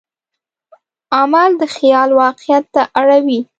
عمل د خیال واقعیت ته اړوي.